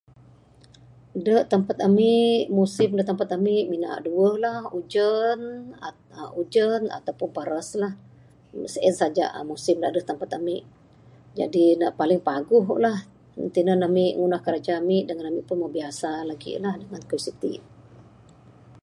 Da tampat ami, musim da tampat ami mina duweh lah. Ujan, aa.. ujan ato pun paras lah. Mung sien saja musim da aduh da tampat ami. Jadi ne paling paguh lah tinan ami ngundah kiraja ami, dangan ami pun moh biasa lagi ne dangan kayuh siti.